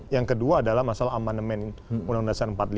yang kedua adalah masalah amandemen undang undang dasar empat puluh lima